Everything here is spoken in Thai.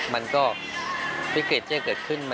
มันก็วิกฤตที่จะเกิดขึ้น